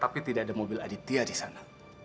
tapi tidak ada mobil aditya di sana